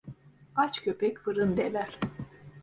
Aç köpek fırın deler.